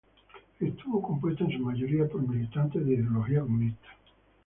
Estuvo compuesta en su mayoría por militantes de ideología comunista.